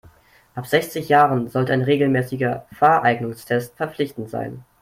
Ab sechzig Jahren sollte ein regelmäßiger Fahreignungstest verpflichtend sein.